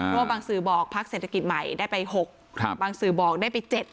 เพราะว่าบางสื่อบอกพักเศรษฐกิจใหม่ได้ไป๖บางสื่อบอกได้ไป๗